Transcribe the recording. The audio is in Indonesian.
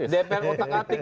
dpr otak atik